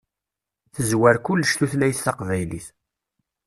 Tezwar kullec tutlayt taqbaylit.